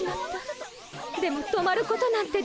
でも止まることなんてできない。